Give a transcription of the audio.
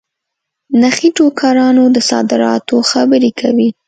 نخې ټوکرانو د صادراتو خبري کوي.